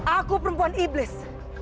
aku perempuan iblis